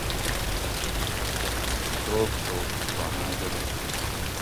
ڈوک ڈوک چھوناں گڑو